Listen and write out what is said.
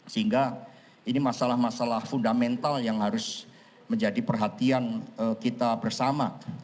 sehingga ini masalah masalah fundamental yang harus menjadi perhatian kita bersama